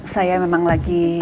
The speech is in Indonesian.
siap pak bos